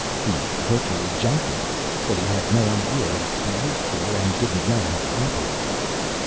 "He virtually junked it. Said he had no idea what it could be used for, and didn't know how to operate it."